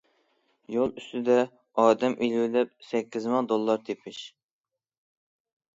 يول ئۈستىدە ئادەم ئېلىۋېلىپ سەككىز مىڭ دوللار تېپىش!